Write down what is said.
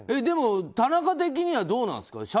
でも田中的にはどうなんですか。